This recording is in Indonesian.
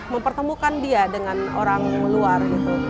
mempertemukan dia dengan orang luar